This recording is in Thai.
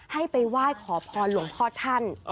ให้ไปไหว้ขอพรหลวงพ่อท่าน